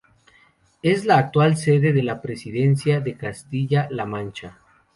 Es la actual sede de la Presidencia de Castilla-La Mancha.